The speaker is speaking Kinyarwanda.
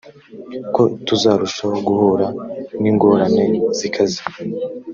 ko tuzarushaho guhura n ingorane zikaze